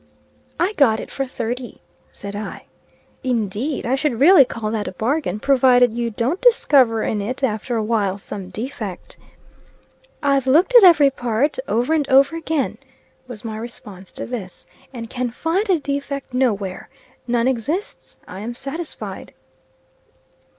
"I got it for thirty," said I. "Indeed! I should really call that a bargain, provided you don't discover in it, after a while, some defect." "I've looked at every part, over and over again," was my response to this, "and can find a defect nowhere. None exists, I am satisfied."